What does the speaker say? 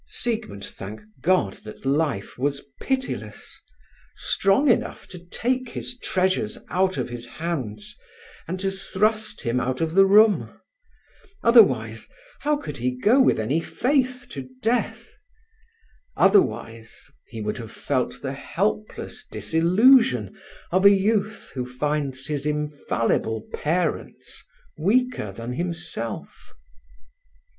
Siegmund thanked God that life was pitiless, strong enough to take his treasures out of his hands, and to thrust him out of the room; otherwise, how could he go with any faith to death; otherwise, he would have felt the helpless disillusion of a youth who finds his infallible parents weaker than himself.